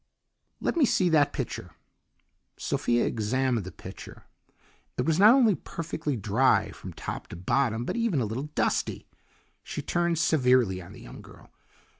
"Let me see that pitcher." Sophia examined the pitcher. It was not only perfectly dry from top to bottom, but even a little dusty. She turned severely on the young girl.